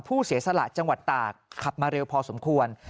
เสียสละจังหวัดตากขับมาเร็วพอสมควร